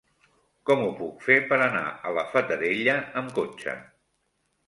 Com ho puc fer per anar a la Fatarella amb cotxe?